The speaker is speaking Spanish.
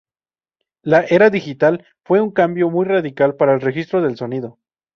La era digital fue un cambio muy radical para el registro del sonido.